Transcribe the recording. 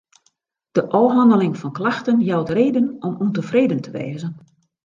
De ôfhanneling fan klachten jout reden om ûntefreden te wêzen.